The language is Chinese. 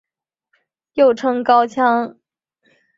又称高腔。